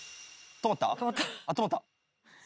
止まった。